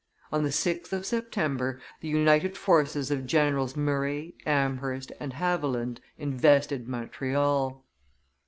On the 6th of September, the united forces of Generals Murray, Amherst, and Haviland invested Montreal.